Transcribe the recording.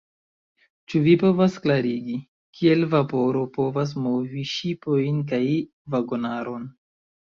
Ĉu vi povas klarigi, kiel vaporo povas movi ŝipojn kaj vagonaron?